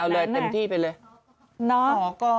เอาเลยเต็มที่ไปเลย